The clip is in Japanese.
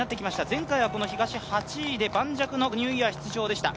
前回は東は８位で盤石のニューイヤー出場でした。